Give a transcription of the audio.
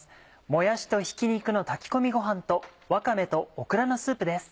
「もやしとひき肉の炊き込みごはん」と「わかめとオクラのスープ」です。